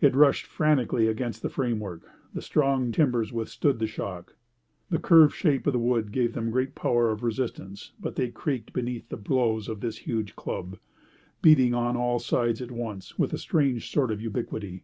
It rushed frantically against the framework; the strong timbers withstood the shock; the curved shape of the wood gave them great power of resistance; but they creaked beneath the blows of this huge club, beating on all sides at once, with a strange sort of ubiquity.